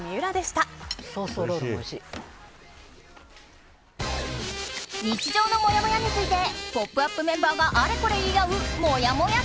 以上日常のもやもやについて「ポップＵＰ！」メンバーがあれこれ言い合うもやもや